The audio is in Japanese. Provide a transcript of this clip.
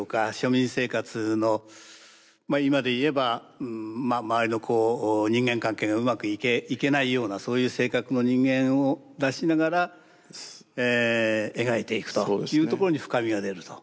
庶民生活のまあ今で言えば周りのこう人間関係がうまくいけないようなそういう性格の人間を出しながら描いていくというところに深みが出ると。